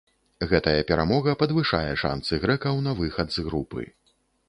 Гэтая перамога падвышае шанцы грэкаў на выхад з групы.